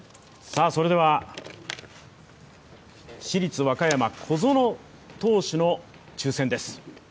それでは市立和歌山、小園投手の抽選です